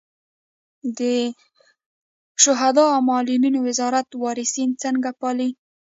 د شهدا او معلولینو وزارت وارثین څنګه پالي؟